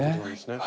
はい。